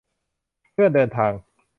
เพื่อนเดินทาง